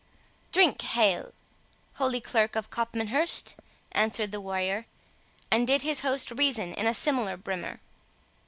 "'Drink hael', Holy Clerk of Copmanhurst!" answered the warrior, and did his host reason in a similar brimmer.